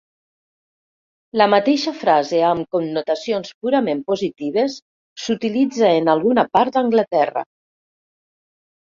La mateixa frase amb connotacions purament positives s'utilitza en alguna part d'Anglaterra.